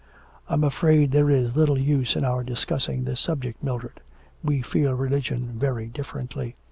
'I'm afraid there is little use in our discussing this subject, Mildred. We feel religion very differently.